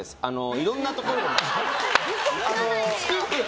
いろんなところで。